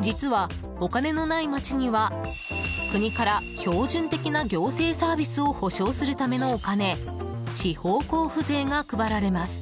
実は、お金のないまちには国から標準的な行政サービスを保障するためのお金地方交付税が配られます。